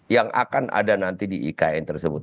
yang akan ada nanti di ikn tersebut